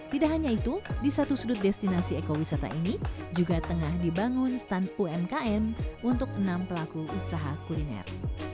tidak hanya itu di satu sudut destinasi ekowisata ini juga tengah dibangun stand umkm untuk enam pelaku usaha kuliner